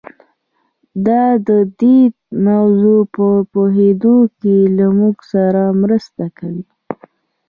دا د دې موضوع په پوهېدو کې له موږ سره مرسته کوي.